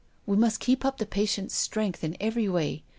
We must keep up the patient's strength in every way.